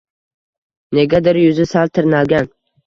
Negadir yuzi sal tirnalgan...